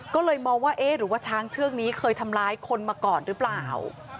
ก็เลยมองว่าเอ๊ะหรือว่าช้างเชือกนี้เคยทำร้ายคนมาก่อนหรือเปล่า